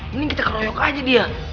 ini kita keroyok aja dia